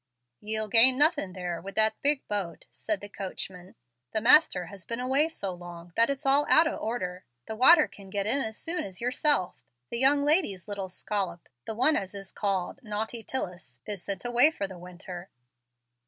"Ye'll gain nothing there, wid that big boat," said the coachman. "The master has been away so long that it's all out o' order. The water can get in it as soon as yerself. The young lady's little scollop the one as is called Naughty Tillus is sent away for the winter."